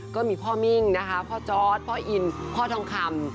ก็มีพ่อมิ่งนะคะพ่อจอร์ดพ่ออินพ่อทองคำ